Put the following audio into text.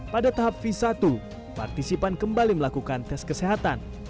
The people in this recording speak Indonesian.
pada tahap v satu partisipan kembali melakukan tes kesehatan